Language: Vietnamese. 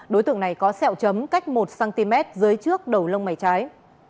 đối tượng này có xẹo chấm cách một cm dưới trước đầu lông mảy trái